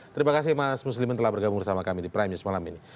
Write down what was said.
terima kasih mas muslimin telah bergabung bersama kami di prime news malam ini